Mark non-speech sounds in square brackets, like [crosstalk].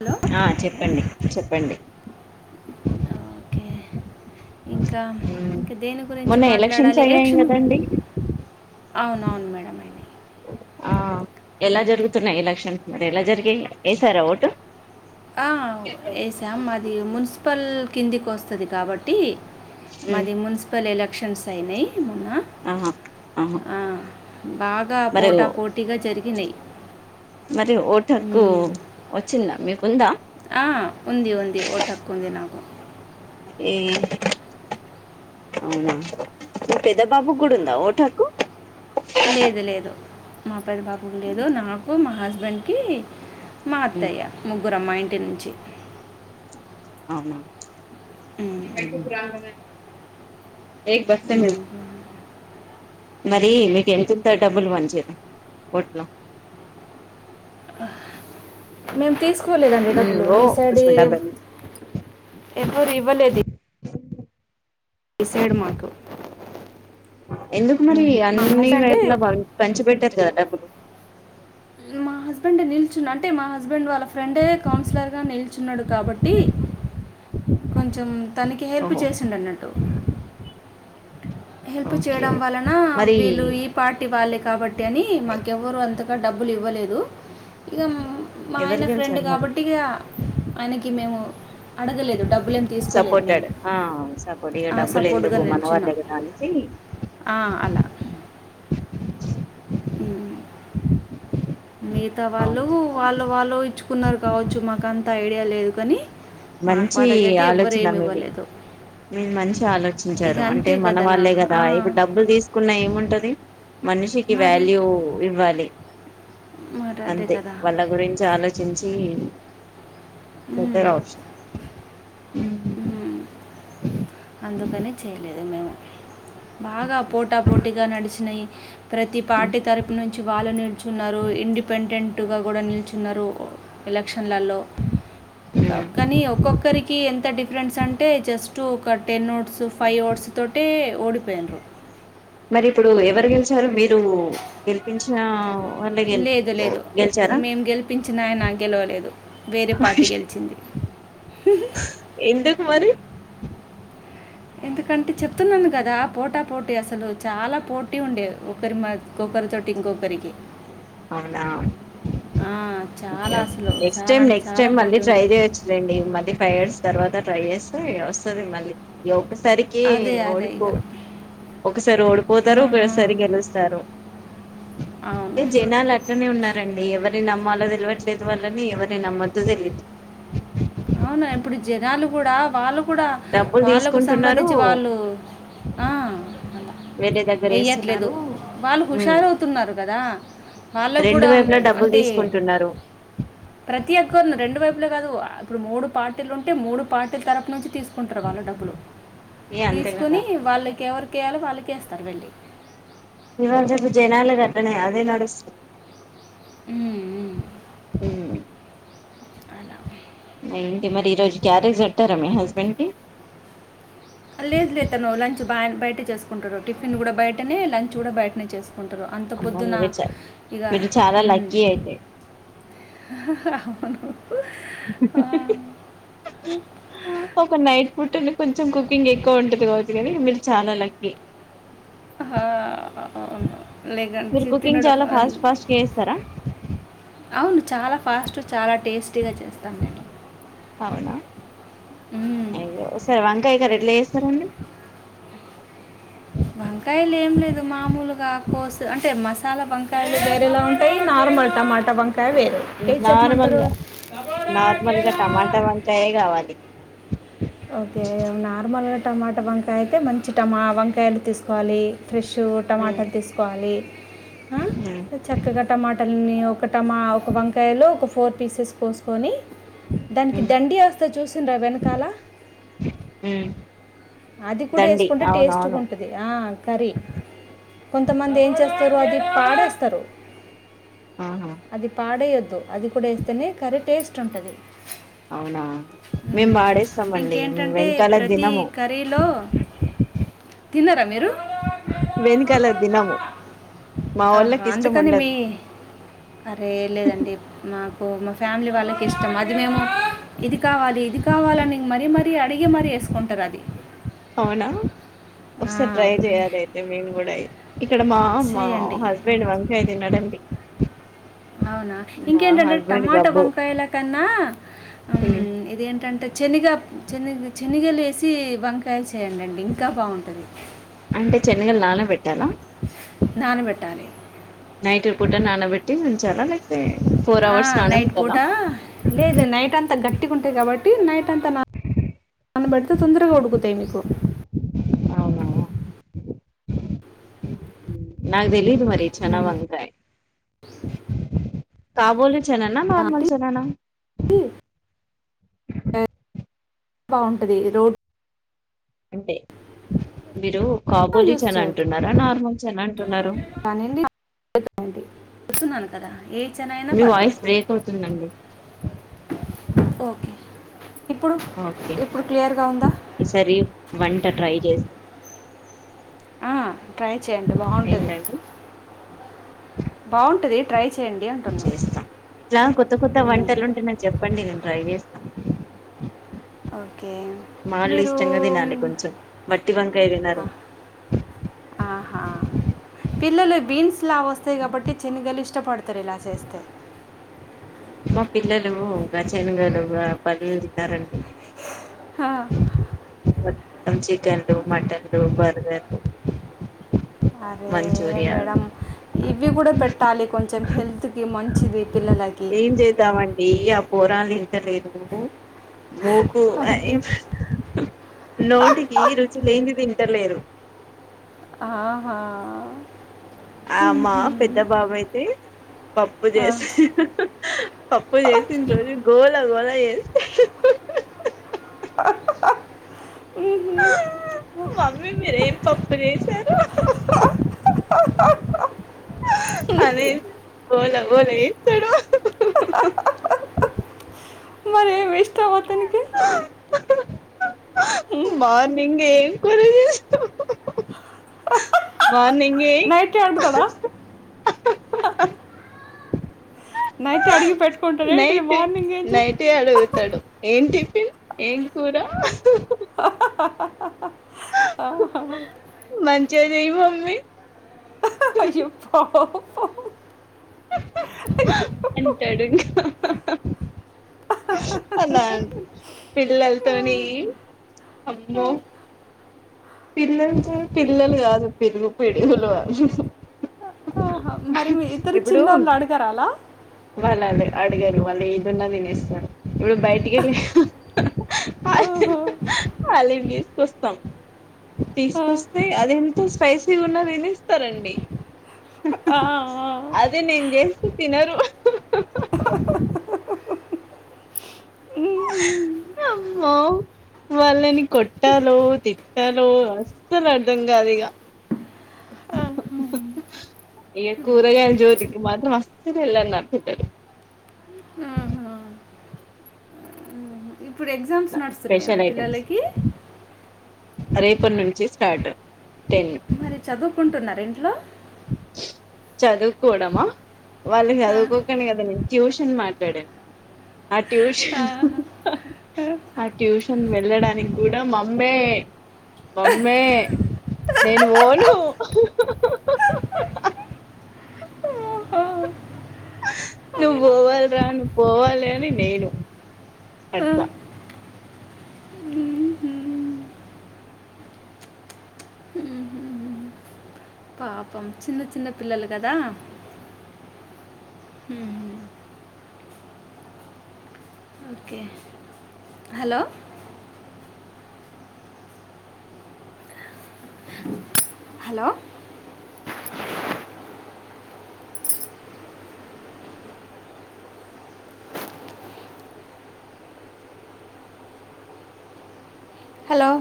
Hello ఆ చెప్పండి చెప్పండి ఓకే ఇంకా మ్మ్. ఇంకా దేని గురించి మొన్న ఎలక్షన్స్ మాట్లాడాలి అయ్యాయి ఎలక్షన్ కదండి అవున అవును మేడం ఆ ఎలా జరుగుతున్నాయి ఎలక్షన్స్ మరి ఎలా జరిగియి వసారా ఓటు ఆ వేసాం మది మున్సిపల్ కిందికి వస్తుంది కాబట్టి మ్మ్. మాది మున్సిపల్ ఎలక్షన్స్ అయినాయి ఆహా ఆహా ఆ, బాగా మరి పోటా ఓ- పోటీగా జరిగినాయి మరి ఓటు హక్కు మ్మ్. వచ్చిందా మీకుందా ఆ ఉంది ఉంది ఓటు హక్కు ఉంది నాకు ఏ అవునా పెద బాబు కూడా ఉందా ఓటు హక్కు లేదు లేదు మా పెద్ద బాబుకి లేదు నాకు మా హస్బెండ్కి మా మ్మ్. అత్తయ్య ముగ్గురం మా ఇంటి నుంచి అవున మ్మ్. అ మరి మీకు ఎంత ఎత్తారు డబ్బులు మంచిగా ఓటు మేము తీసి స్కూల్దండి మ్మ్. డబ్బులు ఓ ఈ సైడ్ ఉస్మే డబ్బై ఎవరు ఇవ్వలేదు ఈ సైడ్ మాకు ఎందుకు మరి మ్మ్. మా అన్ని హస్బెండ్ వైపులా పంచి పెట్టారు కదా డబ్బులు మా హస్బెండ్ నిల్చున్న అంటే మా హస్బెండ్ వాళ్ళ ఫ్రెండే కౌన్సిలర్గా నిల్చున్నాడు కాబట్టి కొంచెం తనకి హెల్ప్ ఓహో చేసిండ అన్నట్టు హెల్ప్ ఓకే చేయడం ఓకే వలన, మరి వీళ్ళు ఈ పార్టీ వాళ్ళే కాబట్టి అని మాకెవరు అంత ఇంకా డబ్బులు ఇవ్వలేదు. ఇగ మా ఎవరు ఆయన ఫ్రెండ్ గెలిచారు మరి గాబట్టి ఇగ ఆయనకి మేము అడగలేదు. డబ్బులు ఏం తీసుకోలేదు. మేము సపోర్టెడ్ ఆ సపోర్ట్ ఇక ఆ డబ్బులు సపోర్ట్గా ఎందుకు మన వాళ్ళే నిలుచున్నాం. కదా అనేసి ఆ, అలా. [inaudible] మిగతా వాళ్ళు వాళ్ళు వాళ్ళు ఇచ్చుకున్నారు కావచ్చు. మాకుంత ఐడియా లేదు. కానీ, మాకు మంచి వాళ్ళకైతే ఎవ్వరు ఆలోచన ఏమి మీది ఇవ్వలేదు మీరు మంచి ఇక ఆలోచించారు. అంటే అంతే మన కదనా వాళ్లే గదా ఆ, ఇప్పుడు డబ్బులు తీసుకున్నా ఏముంటది. మనిషికి మరి వాల్యూ ఇవ్వాలి. మరి అదే అంతే కదా వాళ్ళ గురించి ఆలోచించి ఉమ్, బెటర్ ఆప్షన్ ఉమ్ అందుకని చేయలేదు బాగా ఆప్షన్ పోటా పోటీగా నడిచినయి. ప్రతి పార్టీ తరపు నుంచి వాళ్ళు నిలుచున్నారు. ఇండిపెండెంట్ టు గా కూడా నిల్చున్నారు. ఎలక్షన్ లలో కానీ ఒక్కొక్కరికి ఎంత డిఫరెన్స్ అంటే జేస్ట్ ఒక టెన్ ఓట్స్ ఫైవ్ ఓట్స్ తోటే ఓడిపోయిండ్రు మరి ఇప్పుడు ఎవరు గెలిచారు మీరు గెలిపించిన వాళ్ళె గె గెలిచారా? గెలిపించినాయ గెలవలేదు వేరే పార్టీ గెలిచింది. ఎందుకు మరి? ఎందుకంటే చెప్తున్నాను గదా. పోటా పోటీ అసలు చాలా పోటీ ఉండే ఒకరి మాక్కొక్కరితోటి ఇంకొకరికి అవునా ఆ, ఓకేే చాలా అసలు నెక్స్ట్ చాలా టైమ్ అంటే నెక్స్ట్ చాలా టైమ్ మళ్ళీ పోటీ ట్రై ఉండే జేయొచ్చులేండి మళ్ళీ ఫైవ్ ఇయర్స్ తర్వాత ట్రై జేస్తే వస్తది మళ్ళీ ఇ ఒక్కసారికి అదే అదే ఓడిపో ఇక ఒకసారి ఆ, ఓడిపోతారు. ఆ. ఒకసారి గెలుస్తారు. అవును. ఏ మళ్ళ తెలువట్లేదు వాళ్ళని ఎవరిని నమ్మద్దో తెలియట్లేదు. అవునా ఇప్పుడు జనాలు గూడా వాళ్ళు కూడా డబ్బులు వాళ్ళకు తీసుకుంటున్నారు సంబంధించి వాళ్ళు ఆ అలా వేరే దగ్గర వెయ్యట్లేదు వేస్తున్నారు వాళ్ళు ఉమ్ హుషారు అవుతున్నారు కదా. వాళ్ళకి రెండు గూడాం వైపులా డబ్బులు అంటే తీసుకుంటున్నారు ప్రతి ఒక్కరును రెండు వైపులే గాదు ఇప్పుడు మూడు పార్టీలు ఉంటే మూడు పార్టీల తరపు నుంచి తీసు కుంటారు వాళ్ళ డబ్బులు ఏ అంతే కదా తీసుకొని వాళ్ళకి ఎవరు కీయాలో వాళ్ళకేస్తారు వెళ్ళి ఇవాళ రేపు జనాల గట్టనే అదే నడుస్తుంది. ఉమ్ ఉమ్ అలా వే ఏంటి మరి ఈ రోజు క్యారేజ్ బెట్టారా మీ హస్బెండ్ కి మా ఆయన బయటే చేసుకుంటారు టిఫిన్ గూడా బయటనే లంచ్ గూడా బయటనే చేసు కుంటారు అంత అమ్మో పొద్దున మీరే చాలు ఇగ మీరు చాలా ఉమ్ లక్కీ అయితే హా హా హా అవును హే హే హే హూ ఒక నైట్ పూట్టనే కొంచెం కుకింగ్ ఎక్కువ ఉంటదిగావచ్చు గానీ మీరు చానా లక్కి ఆ అవును మీరు లేగన్సి కుకింగ్ త్తినడు చాలా అం ఫాస్ట్ ఫాస్ట్ గా చేస్తారా అవును చాలా ఫాస్ట్ చాలా టేస్టీగా చేస్తాను నేను అవునా మ్మ్. అయ్యో వంకాయ కర్రీ ఎట్లా జేస్ స్తరండి వంకాయలు ఏం లేదు మామూలుగా కోసు అంటే మసాలా వంకాయలు వేరేలా ఉంటాయి నార్మల్ [unintelligible] మాట బమ్ [unintelligible] ఏ చెప్మంటారు నార్మల్గా నార్మల్గా టమాటా వంకాయే కావాలి ఒకే నార్మల్గా టమాట వంకాయ అయితే మంచి టమా వంకాయలు తీసుకోవాలి ఫ్రెష్ టమాటాలు తీసుకోవాలి ఉమ్ చక్కగా టమాట వాని ఒక టమా ఒక వంకాయలో ఒక ఫోర్ పీసెస్ కోసుకొని దానికి దండి వస్త చూసిండ్ర వెనకాల హు అది కూడ ఎసుకుంటే టేస్ట్గా ఉంటుది ఆ కర్రీ కొంతమంది ఏం చేస్తా రూ అది పాడేస్తారు ఆహా అది పాడేయో ద్దు అది కూడా వేస్తేనే కర్రీ టేస్ట్ ఉంటది అవునా మేము వాడేస్తామండి ఇంకేంటంటే వెనకాల ప్రతి దినము [unintelligible] తిన్నార మీరు వెనుకాల దినము మా ఆహా! వాళ్ళకి ఇష్టం అందుకని మీ ఉండదు అరే లేదండి నా మా ఫ్యామిలీ వాళ్ళకి ఇష్టం అది మేము ఇది కావాలి ఇది కావాలని మరీ మ అడిగి మరీ ఏసుకుంటారు అది అవునా ఆ! ఒకసారి ట్రై చేయాలి అయితే మేము కూడ అయి ఇక్కడ మా మా చేయండి. హస్బెండ్ వంకయ తినడండి అవునా మా ఇంకేంటంటే హస్బెండ్ టమాట గబ్బు వంకాయల కన్నా ఆ ఇదేంటంటే శనగనిగ శనగ లే వేసి వంకా చేయండిండి ఇంకా బాగుంటది అంటే శనగలు నానబెట్టాలా నానబెట్టాలి నైట్ పుట్ట నానబెట్టి ఉంచాల లే ఆ నైట్ పూటా లే నైట్ అంతా గట్ ట్టి ఉంటాయి కాబట్టి నైట్ అంతా నా నానబడితే తొందరగ ఉడుకుతాయి మీకు అవునా నాకు తెలిదు మరి చనా హ్మ్. వంకాయ్ కాబోలి చెనన్న కాబట్టి నార్మల్ చెననా బాగుంటది రో అంటే మీరు కాబోలీ యూస్ చన చేయొచ్చు అంటున్నారా నార్మల్ చని అంటున్నారు అండి చూస్తున్నాను కదా ఏ చెనయినా మీ వాయిస్ పర్లేదు బ్రేక్ అవుతుందండి ఒకే ఒకే ఉందా ఈసారి వంట ట్రై చేస్ ఆ ట్రై చేయండి బాగుంటది ఏంటండి బాగుంటది ట్రై చేయండి అంటున్నా చేస్త ఇట్లా కొత్త కొత్త ఉమ్, వంటలు ఉంటే న చెప్పండి నేను ట్రై చేస్ మా వాళ్ళు మీరు ఇష్టంగా తినాలి కొంచెం వట్టి వంకాయ తినరు ఆ పిల్లలు బీన్స్ లా వస్తాయి కాబట్టి శన్నగలు ఇష్టపడతారు ఇలా చేస్తే మా పిల్లలు ఆ చనుగలు గా పల్లీలు తినరండి హా మొత్తం చికెన్లు మటన్లు బర్గర్ అరే మేడం ఇవి కూడ పెట్టాలి కొంచెం హెల్త్ కి మంచిది పిల్లల ఏం చేద్దామండి ఆ పోర [unintelligible] మోకు నోటికి రుచి లేెంది పెట్టలేరు ఆహా ఆ మా పెద్ద బాబు అయితే పప్పు ఆ. చేసి పప్పు చేసిం రోజు గోల గోలా ఎది మమ్మీ మీరు ఏం పప్పు చేశారు అదేంది బోలం బలే ఏతడు మరేమి ఇష్టం అతనికి మార్నింగ్ ఏం కూర చేసినవు మార్నింగే నైట్ అడుగుతాడా నైట్ అడిగి పెట్టు నైటే నైటే అడుగుతడు ఏం టిఫిన్ ఏం కూర ఆహా మంచిగా చెయ్యు మమ్మీ అయ్యో పాపం తింటడు ఇంక అలా పిల్లలతోని అమ్మో పిల్లలు పిల్లలు కాదు పిడిగు పిడిగులు వాళ్లు ఆహా మరి మీ ఇద్దరు చిన్నోళ్ళు అడగరా అలా వాళ్ళు అడ అడగరు వాళ్ళు ఏదున్నా తినేస్తారు వీడు బయటికెళ్ళి ఓహో వాలకి తీసుకొస్తాం ఆ. తీసుకొస్తే అది ఎంత స్పైసీగా ఉన్న తినేస్తారండి. ఆ ఆ అదే నేను చేస్తే తినరు అమ్మో వాళ్ళని కొట్టాలో తిట్టాలో అస్సలు అర్ధం కాదు ఇగ ఆహా ఏ కూరగాయ జోలికి మాత్రం అస్సలు ఎల్లరు నా పిల్లలు ఆహా ఇప్పుడు ఎగ్జామ్స్ నడుస్తున్నాయా మీ స్పెషల్ ఐటమ్స్ పిల్లలకి రేపటి నుంచి స్టార్ట్ టెన్ మరి చదువుకుంటున్నరా ఇంట్లో చదువుకోడమా వాళ్ళు ఆ, చదువుకోకనే కదా నేను ట్యూషన్ మాట్లాడాను ఆ ట్యూషన్ ఆహా. ఆ ట్యూషన్ వెళ్ళడానికి కూడా మమ్మే మమ్మే నేను ఓను ఆహా. నువ్వు అమ్మా. ఓవాలి రా నువ్వు పోవాలి అని నేను ఆ, అట్ల పాపం చిన్న చిన్న పిల్లలు కదా మ్ హు ఓకే హలో హలో హలో